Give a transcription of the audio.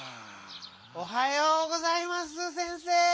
おはようございます先生！